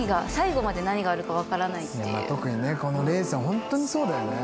特にこのレースはホントにそうだよね。